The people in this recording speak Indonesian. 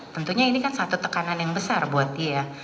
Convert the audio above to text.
tentunya ini kan satu tekanan yang besar buat dia